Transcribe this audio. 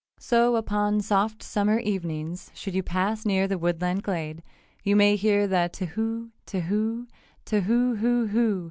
So upon soft summer evenings, should you pass near the woodland glade, you may hear the "Tahoo Tahoo Tahoo hoo hoo!"